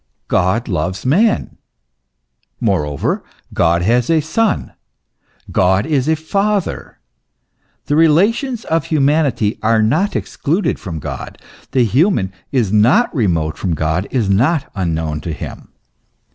God loves man; moreover God has a Son; God is a father; the relations of humanity are not excluded from God; the human is not remote from God, not unknown to him.